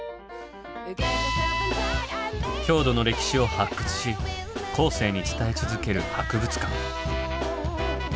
郷土の歴史を発掘し後世に伝え続ける博物館。